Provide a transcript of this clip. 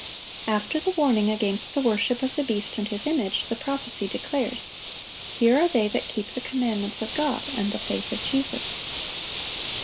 After the warning against the worship of the beast and his image, the prophecy declares, "Here are they that keep the commandments of God, and the faith of Jesus."